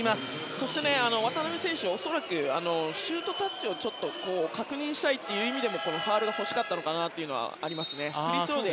そして渡邊選手は恐らくシュートタッチを確認したいという意味でもファウルが欲しかったのかなというのはありますね。